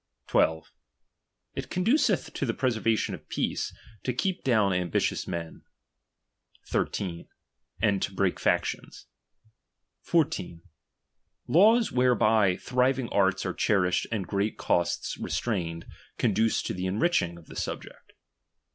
12. It conduceth to the preservation of peace, to keep down ambi tious men. 13. And to break factions. 14 . Laws whereby thriving arts are cherished and great costs restrained, conduce to the enriching of the subject.